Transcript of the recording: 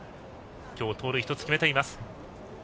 今日、盗塁１つ決めています。